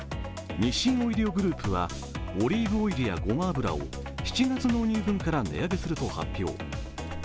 日清オイリオグループはオリーブオイルやごま油を７月納入分から値上げすると発表。